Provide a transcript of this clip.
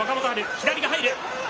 左が入る。